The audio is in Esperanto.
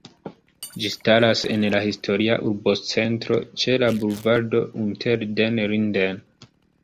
Ĝi staras en la historia urbocentro ĉe la bulvardo Unter den Linden.